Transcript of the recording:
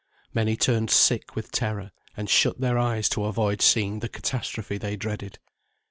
Many turned sick with terror, and shut their eyes to avoid seeing the catastrophe they dreaded.